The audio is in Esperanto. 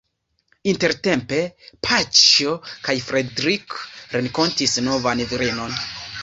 Intertempe Paĉjo kaj Fredrik renkontis novan virinon.